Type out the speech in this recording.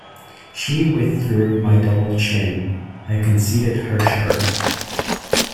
She withdrew my double chin; I conceded her shark.